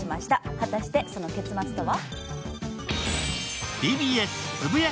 果たしてその結末とは？